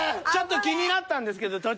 ちょっと気になったんですけど